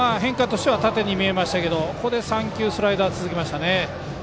縦に見えましたけど、ここで３球スライダーが続きましたね。